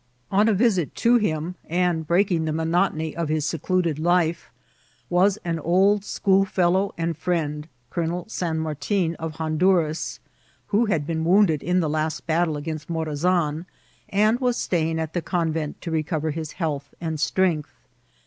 On a visit to him, and breaking the monotony of his secluded life, was an old schoolfellow and friend, Col onel San Martin, of Honduras, who had been wounded in the last battle against Morazan, and was staying at the convent to recover his health and strength.